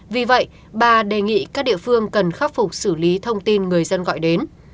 vì vậy bà đề nghị các địa phương cần khắc phục xử lý thông tin người dân gọi đến